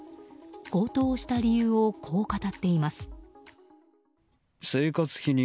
強盗をした理由をこう語っています。